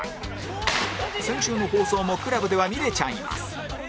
先週の放送も ＣＬＵＢ では見れちゃいます